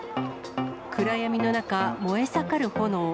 暗闇の中、燃え盛る炎。